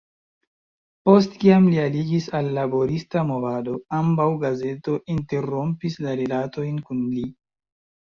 Post kiam li aliĝis al laborista movado, ambaŭ gazeto interrompis la rilatojn kun li.